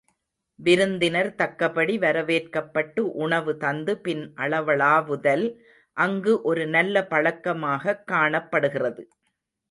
விருந்தினர் தக்கபடி வரவேற்கப் பட்டு உணவு தந்து பின் அளவளாவுதல் அங்கு ஒரு நல்ல பழக்கமாகக் காணப்படுகிறது.